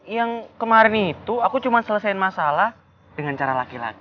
yang kemarin itu aku cuma selesaikan masalah dengan cara laki laki